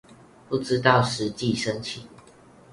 不知道實際申請